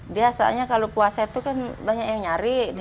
biasanya kalau puasa itu kan banyak yang nyari